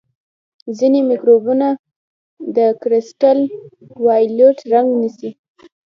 ځینې مکروبونه د کرسټل وایولېټ رنګ نیسي.